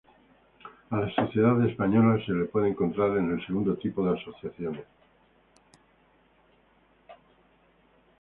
A la Sociedad Española se la puede encontrar en el segundo tipo de asociaciones.